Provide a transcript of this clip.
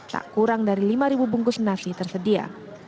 tak kurang dari lima bungkus nasi tersedia